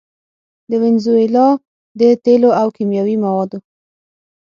د وينزويلا د تېلو او کيمياوي موادو